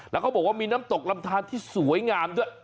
แล้วเขาบอกว่ามีน้ำตกลำทานที่สวยงามด้วย